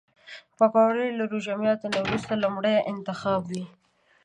پکورې له روژه ماتي نه وروسته لومړی انتخاب وي